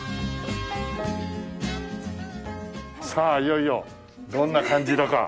さあいよいよどんな感じだか。